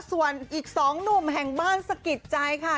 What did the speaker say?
ส่วนอีก๒หนุ่มแห่งบ้านสะกิดใจค่ะ